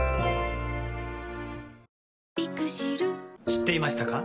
知っていましたか？